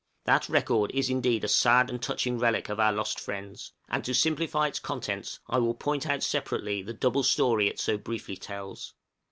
} That record is indeed a sad and touching relic of our lost friends, and, to simplify its contents, I will point out separately the double story it so briefly tells.